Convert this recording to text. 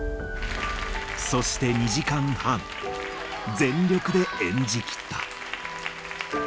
そして２時間半、全力で演じきった。